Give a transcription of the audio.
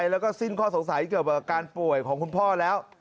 แล้วก็สิ้นข้อสงสัยเกี่ยวกับอาการป่วยของคุณพ่อแล้ว